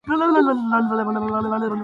But I'm all in a tizzy.